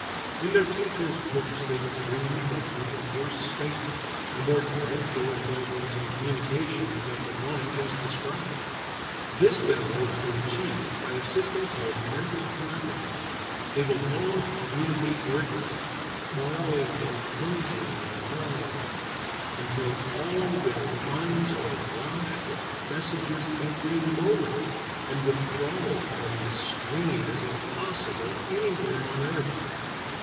In their futurist books they will dream of an even worse state, a more dreadful indulgence in communication than the one just described. This they'll hope to achieve by a system called mental telepathy. They will long to communicate wordlessly, mind impinging on mind, until all their minds are awash with messages every moment, and withdrawal from the stream is impossible anywhere on earth.